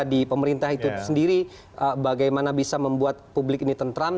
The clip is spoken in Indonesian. di pemerintah itu sendiri bagaimana bisa membuat publik ini tentram